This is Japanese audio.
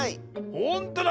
ほんとだ！